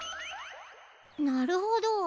なるほど。